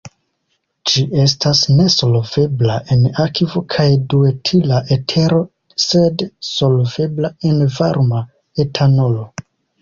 Ĝi estas nesolvebla en akvo kaj duetila etero sed solvebla en varma etanolo.